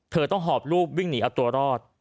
เธอต้องหอบลูกวิ่งหนีเอาตัวรอด